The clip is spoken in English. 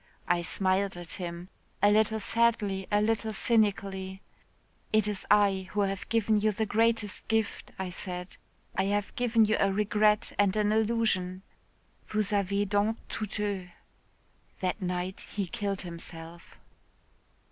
I smiled at him, a little sadly, a little cynically. 'It is I who have given you the greatest gift,' I said. 'I have given you a regret and an illusion. Vous avez donc tout eu.' That night he killed himself."